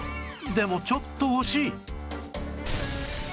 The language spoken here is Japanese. でもちょっと惜しい